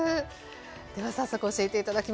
では早速教えて頂きます。